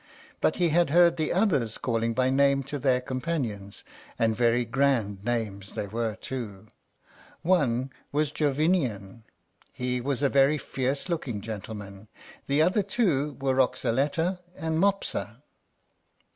But he had heard the others calling by name to their companions, and very grand names they were too. One was Jovinian, he was a very fierce looking gentleman; the other two were Roxaletta and Mopsa.